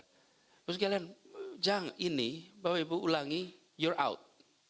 terus kalian jangan ini bapak ibu ulangi you're out